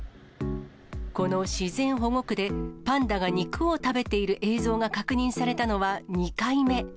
この自然保護区で、パンダが肉を食べている映像が確認されたのは２回目。